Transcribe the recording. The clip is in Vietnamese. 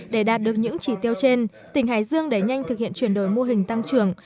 để đạt được những chỉ tiêu trên tỉnh hải dương đẩy nhanh thực hiện chuyển đổi mô hình tăng trưởng